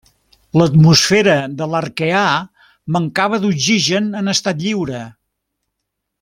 L'atmosfera de l'Arqueà mancava d'oxigen en estat lliure.